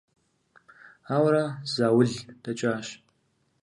Ауэрэ заул дэкӀащ.